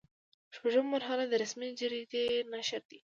شپږمه مرحله د رسمي جریدې نشر دی.